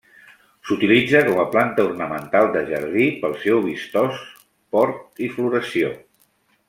S'utilitza com a planta ornamental de jardí pel seu vistós port i floració.